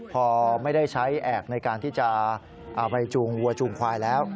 พอไม่ได้ใช้แอกในการที่จะเอาไปจูงวัวจูงควายแล้ว